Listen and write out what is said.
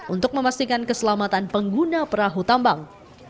untuk memastikan keselamatan pengguna perahu tambang